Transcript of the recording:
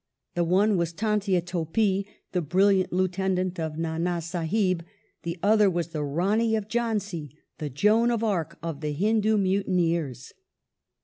The one was Tantia Topi, the brilliant lieutenant of Nana Sahib, the other was the Rani of Jhdnsi, the Joan of Arc of the Hindu mutineei*s.